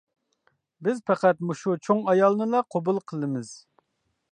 بىز پەقەت مۇشۇ چوڭ ئايالىنىلا قوبۇل قىلىمىز.